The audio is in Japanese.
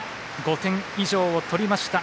５点以上を取りました。